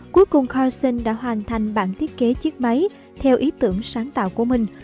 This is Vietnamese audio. cuối cùng khosion đã hoàn thành bản thiết kế chiếc máy theo ý tưởng sáng tạo của mình